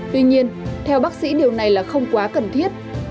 tuy nhiên theo bác sĩ điều này là không quá cần thiết